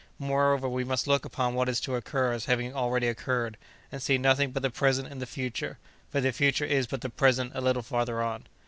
Moreover, we must look upon what is to occur as having already occurred, and see nothing but the present in the future, for the future is but the present a little farther on."